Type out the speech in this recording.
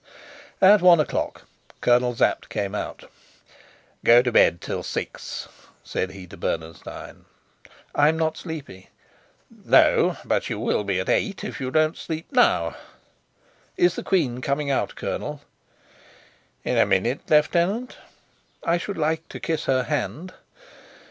At one o'clock Colonel Sapt came out. "Go to bed till six," said he to Bernenstein. "I'm not sleepy." "No, but you will be at eight if you don't sleep now." "Is the queen coming out, Colonel?" "In a minute, Lieutenant." "I should like to kiss her hand."